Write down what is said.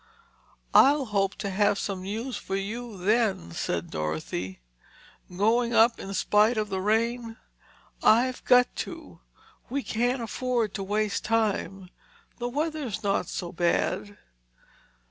"I'll hope to have some news for you, then," said Dorothy. "Going up in spite of the rain?" "I've got to. We can't afford to waste time—the weather's not so bad."